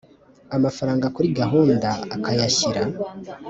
amafaranga kuri gahunda akayashyira